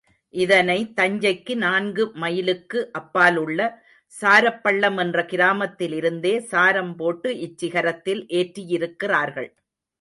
இதனை, தஞ்சைக்கு நான்கு மைலுக்கு அப்பாலுள்ள சாரப்பள்ளம் என்ற கிராமத்திலிருந்தே சாரம் போட்டு இச்சிகரத்தில் ஏற்றியிருக்கிறார்கள்.